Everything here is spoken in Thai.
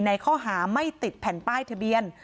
ในข้อหาไม่ติดแผ่นป้ายทะเบียน